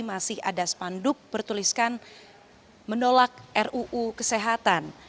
masih ada spanduk bertuliskan menolak ruu kesehatan